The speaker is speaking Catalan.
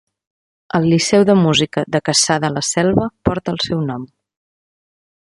El Liceu de música de Cassà de la Selva porta el seu nom.